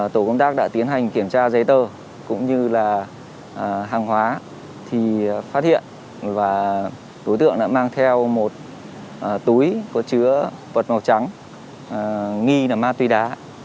tổ công tác đã tiến hành kiểm tra giấy tờ cũng như là hàng hóa thì phát hiện và đối tượng đã mang theo một túi có chứa vật màu trắng nghi là ma túy đá